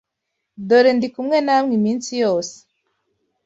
Dore ndi kumwe namwe iminsi yose